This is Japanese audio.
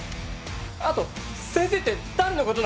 あと「先生」って誰のことなんですか！